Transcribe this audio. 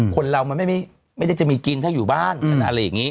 คนเรามันไม่ได้จะมีกินถ้าอยู่บ้านอะไรอย่างนี้